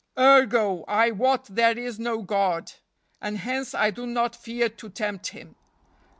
Ergo, I wot there is no God, and hence I do not fear to tempt Him.